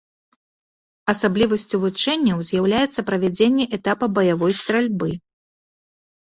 Асаблівасцю вучэнняў з'яўляецца правядзення этапа баявой стральбы.